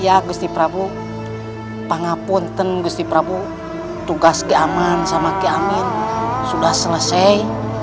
pak gusti prabu panggapun teng gusti prabu tugas keamanan sama keaminan sudah selesai